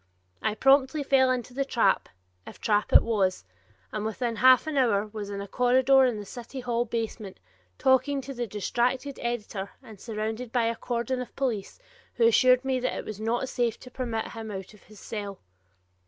I promptly fell into the trap, if trap it was, and within half an hour was in a corridor in the city hall basement, talking to the distracted editor and surrounded by a cordon of police, who assured me that it was not safe to permit him out of his cell.